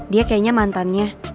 dia kayaknya mantan